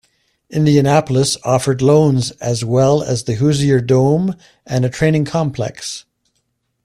Indianapolis offered loans as well as the Hoosier Dome and a training complex.